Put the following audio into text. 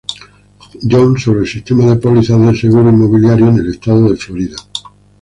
John sobre el sistema de pólizas de seguro inmobiliario en el estado de Florida.